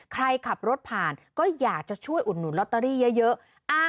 ใครขับรถผ่านก็อยากจะช่วยอุดหนุนลอตเตอรี่เยอะ